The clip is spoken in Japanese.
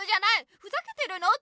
ふざけてるの？って。